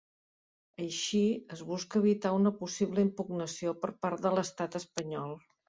Així, es busca evitar una possible impugnació per part de l’estat espanyol.